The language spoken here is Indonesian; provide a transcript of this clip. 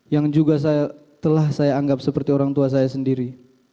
yang juga telah saya anggap seperti orang tua saya sendiri